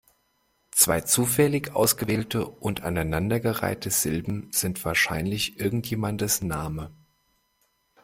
Zwei zufällig ausgewählte und aneinandergereihte Silben sind wahrscheinlich irgendjemandes Name.